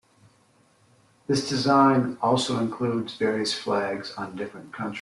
This design also includes various flags on different countries.